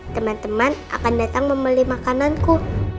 teman teman akan datang membeli makananku